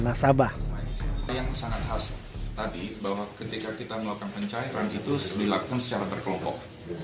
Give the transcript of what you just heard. nah yang sangat khas tadi bahwa ketika kita melakukan pencairan itu dilakukan secara berkelompok